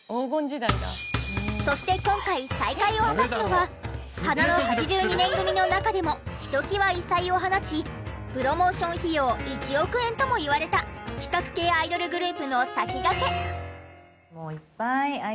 そして今回再会を果たすのは花の８２年組の中でもひときわ異彩を放ちプロモーション費用１億円ともいわれた企画系アイドルグループの先駆け。